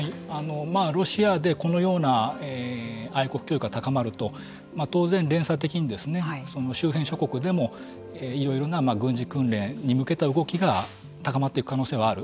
まあロシアでこのような愛国教育が高まると当然連鎖的に周辺諸国でもいろいろな軍事訓練に向けた動きが高まっていく可能性はある。